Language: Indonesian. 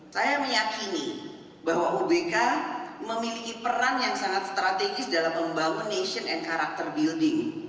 saya meyakini bahwa obk memiliki peran yang sangat strategis dalam membangun nation and character building